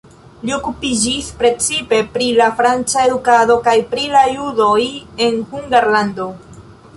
Li okupiĝis precipe pri la franca edukado kaj pri la judoj en Hungarlando.